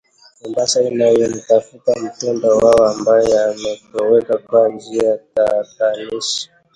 Mombasa inayomtafuta mpendwa wao ambaye ametoweka kwa njia tatanishi